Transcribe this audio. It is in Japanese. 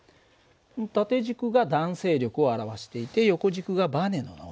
縦軸が弾性力を表していて横軸がばねの伸びなんだ。